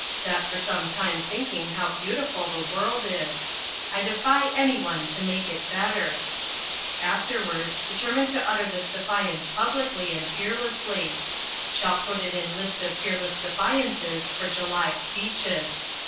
Sat for some time thinking how beautiful the world is. I defy anyone to make a better. Afterwards determined to utter this defiance publicly and fearlessly. Shall put in list of fearless defiances for July speeches.